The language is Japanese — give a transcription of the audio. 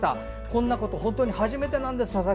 こんなことは本当に初めてです。